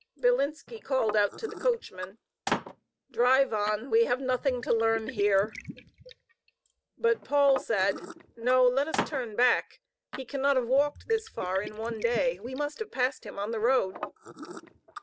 Bilinski called out to the coachman: "Drive on. We have nothing to learn here." But Paul said: "NQ let us turn back. He cannot have walked this far in one day. We must have passed him on the road."